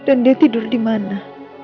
dan dia tidur dimana